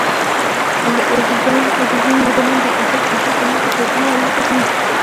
اوبزین معدنونه د افغانستان د ناحیو ترمنځ تفاوتونه رامنځ ته کوي.